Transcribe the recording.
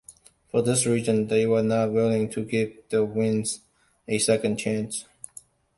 For this reason, they were not willing to give the Winds a second chance.